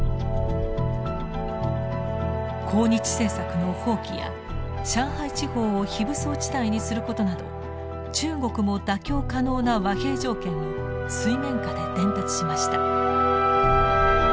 抗日政策の放棄や上海地方を非武装地帯にすることなど中国も妥協可能な和平条件を水面下で伝達しました。